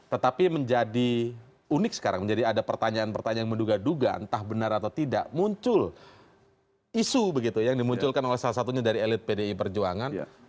tetapi menjadi unik sekarang menjadi ada pertanyaan pertanyaan yang menduga duga entah benar atau tidak muncul isu begitu yang dimunculkan oleh salah satunya dari elit pdi perjuangan